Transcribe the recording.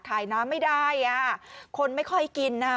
ขายน้ำไม่ได้คนไม่ค่อยกินนะ